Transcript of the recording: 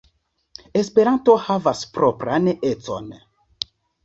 Esperanto havas propran econ.